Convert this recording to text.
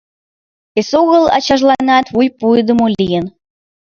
Эсогыл ачажланат вуй пуыдымо лийын.